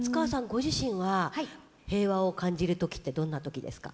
ご自身は平和を感じる時ってどんな時ですか？